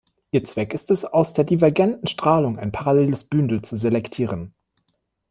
Ihr Zweck ist es, aus der divergenten Strahlung ein paralleles Bündel zu selektieren.